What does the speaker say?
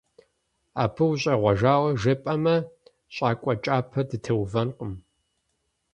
Абы ущӀегъуэжауэ жепӀэмэ, щӀакӀуэ кӀапэ дытеувэнкъым.